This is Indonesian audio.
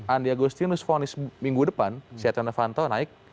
andi agustinus vonis minggu depan seatun levanto naik ke persidangan